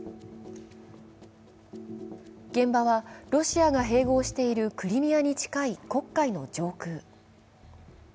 現場はロシアが併合しているクリミアに近い黒海の上空。